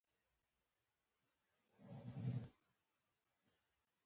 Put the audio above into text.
تاریخ د افغانستان د ملي هویت یوه ډېره ښکاره او څرګنده نښه ده.